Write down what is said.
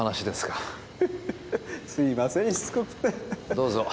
どうぞ。